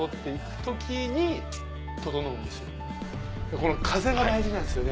この風が大事なんですよね。